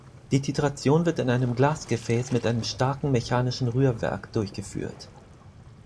Die Titration wird in einem Glasgefäß mit einem starken mechanischen Rührwerk durchgeführt.